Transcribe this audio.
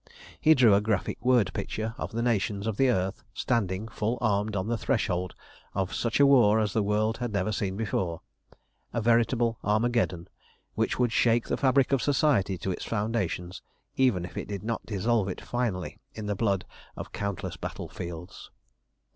He drew a graphic word picture of the nations of the earth standing full armed on the threshold of such a war as the world had never seen before, a veritable Armageddon, which would shake the fabric of society to its foundations, even if it did not dissolve it finally in the blood of countless battlefields.